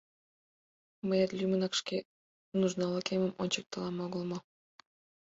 — Мыет лӱмынак шке нужналыкемым ончыктылам огыл мо?